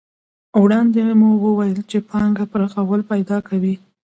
وړاندې مو وویل چې پانګه پراخوالی پیدا کوي